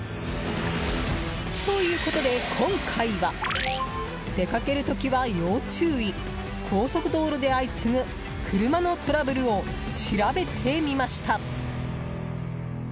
ということで今回は出かける時は要注意高速道路で相次ぐ車のトラブルを調べてみました。